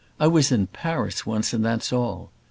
I was in Paris once, and that's all."